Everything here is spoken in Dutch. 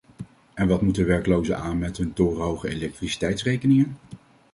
En wat moeten werkelozen aan met hun torenhoge elektriciteitsrekeningen?